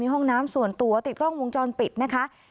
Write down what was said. ห้องน้ำส่วนตัวติดกล้องวงจรปิดนะคะ